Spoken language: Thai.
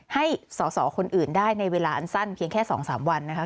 ให้สอสอคนอื่นได้ในเวลาอันสั้นเพียงแค่๒๓วันนะคะ